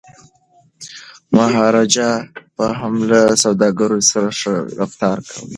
مهاراجا به هم له سوداګرو سره ښه رفتار کوي.